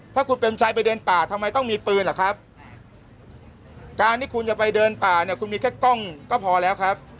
ถ้าคุณเปรมชัยไปเดินป่าทำไมต้องมีปืนเหรอครับการที่คุณจะไปเดินป่าเนี่ยคุณมีแค่กล้องก็พอแล้วครับ